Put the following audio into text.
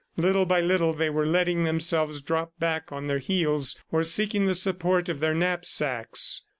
Little by little they were letting themselves drop back on their heels, or seeking the support of their knapsacks.